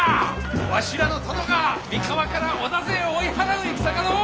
わしらの殿が三河から織田勢を追い払う戦がのう！